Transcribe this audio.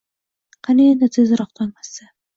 Qani endi tezroq tong otsa